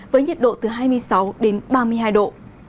với nhiệt độ từ hai mươi sáu đến ba mươi hai độ